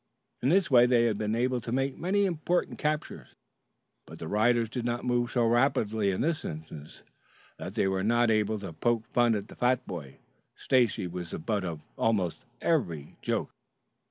In this way they had been enabled to make many important captures. But the riders did not move so rapidly in this instance that they were not able to poke fun at the fat boy. Stacy was the butt of almost every joke.